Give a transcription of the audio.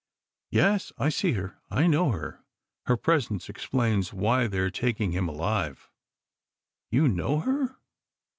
"Yes I see her I know her. Her presence explains why they are taking him alive." "You know her?"